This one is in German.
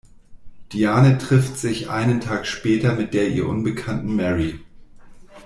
Diane trifft sich einen Tag später mit der ihr unbekannten Mary.